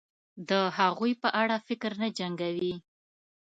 د هغوی په اړه فکر نه جنګوي